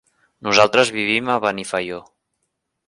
Nosaltres vivim a Benifaió.